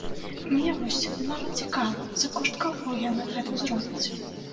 Мне вось нават цікава, за кошт каго яны гэта зробяць?